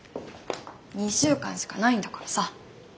２週間しかないんだからさ。